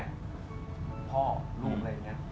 พ่อลูกอะไรอย่างนี้